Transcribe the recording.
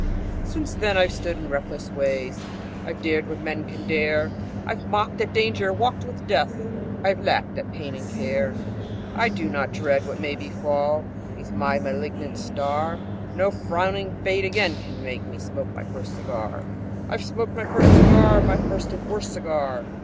Since then I've stood in reckless ways, I've dared what men can dare, I've mocked at danger, walked with death, I've laughed at pain and care. I do not dread what may befall 'Neath my malignant star, No frowning fate again can make Me smoke my first cigar. I've smoked my first cigar! My first and worst cigar!